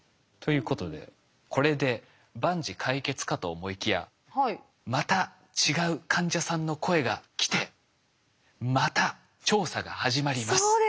ということでこれで万事解決かと思いきやまた違う患者さんの声が来てまた調査が始まります。